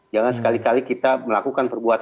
jangan sekali kali kita melakukan perbuatan